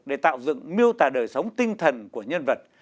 để tạo dựng miêu tả đời sống tinh thần của nhân vật